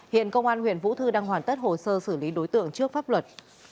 hiện công an huyện vũ thư đang hoàn tất hồ sơ xử lý đối tượng trước pháp luật